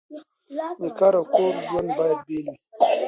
د کار او کور ژوند باید بیل وي.